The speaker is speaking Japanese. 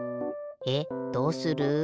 えっどうする？